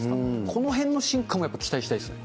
このへんの進化もやっぱり期待したいですね。